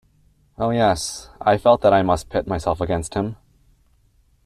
Oh yes, I felt that I must pit myself against him.